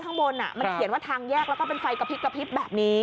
ข้างบนมันเขียนว่าทางแยกแล้วก็เป็นไฟกระพริบกระพริบแบบนี้